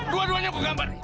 dua duanya gua gambarin